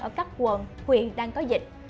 ở các quận huyện đang có dịch